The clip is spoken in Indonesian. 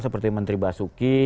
seperti menteri basuki